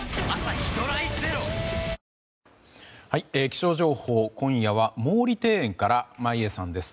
気象情報、今夜は毛利庭園から眞家さんです。